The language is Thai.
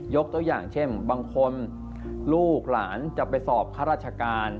ตัวอย่างเช่นบางคนลูกหลานจะไปสอบข้าราชการ